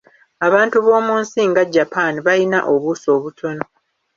Abantu b'omu nsi nga Japan bayina obuuso obutono.